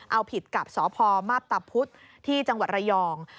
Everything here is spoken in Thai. เอาผิดกับสพมาพตะพุธที่จังหวัดระยอง